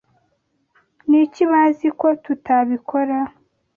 Ni iki bazi ko tutabikora?